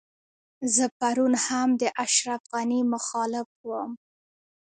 زه پرون هم د اشرف غني مخالف وم.